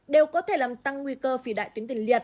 đều có thể làm tăng nguy cơ phi đại tuyến tiền liệt